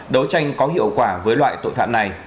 đấu tranh có hiệu quả với loại tội phạm này